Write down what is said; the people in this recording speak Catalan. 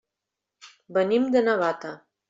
Venim de Navata.